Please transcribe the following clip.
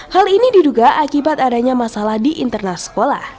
hal ini diduga akibat adanya masalah di internal sekolah